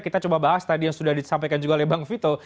kita coba bahas tadi yang sudah disampaikan juga oleh bang vito